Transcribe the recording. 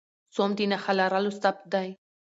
سوم د نخښهلرلو صفت دئ.